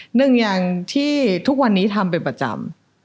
หนึ่งอย่างที่ทุกวันนี้ทำเป็นประจำ